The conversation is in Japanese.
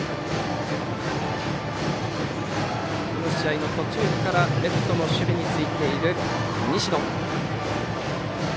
この試合の途中からレフトの守備についた西野。